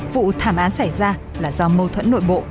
vụ thảm án xảy ra là do mâu thuẫn nội bộ